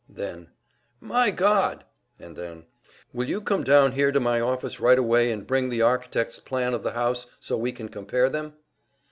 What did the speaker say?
Then, "My God!" And then, "Will you come down here to my office right away and bring the architect's plan of the house so we can compare them?"